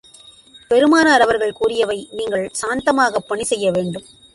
பெருமானார் அவர்கள் கூறியவை நீங்கள் சாந்தமாகப் பணி செய்ய வேண்டும்.